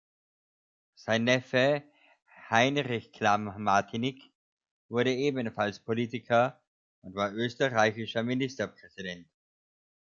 Sein Neffe Heinrich Clam-Martinic wurde ebenfalls Politiker und war österreichischer Ministerpräsident.